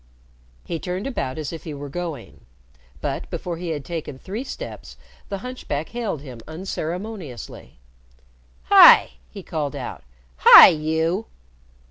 He turned about as if he were going, but, before he had taken three steps, the hunchback hailed him unceremoniously. "Hi!" he called out. "Hi, you!"